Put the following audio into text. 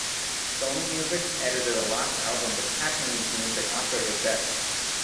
Sony Music edited a last album with Capmany's music after his death.